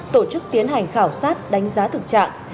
tổ chức tiến hành khảo sát đánh giá thực trạng